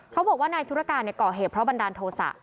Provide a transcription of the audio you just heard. เขาบอกว่านายธุรการก่อเหตุเพราะบันดาลโทษะ